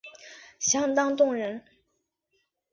相当动人